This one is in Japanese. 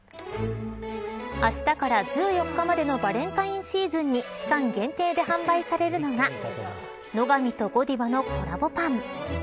あしたから１４日までのバレンタインシーズンに期間限定で販売されるのが乃が美とＧＯＤＩＶＡのコラボパンです。